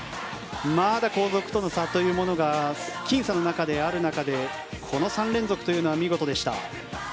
まだ後続との差というものがきん差の中である中でこの３連続というのは見事でした。